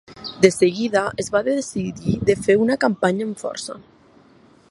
De seguida es va decidir de fer una campanya amb força.